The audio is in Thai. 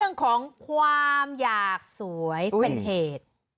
เรื่องของความอยากสวยเป็นเหตุ